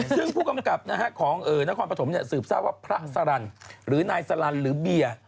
ซึ่งผู้กำกับของนครปฐมสืบทราบว่าพระสลันหรือนายสลันหรือเบียร์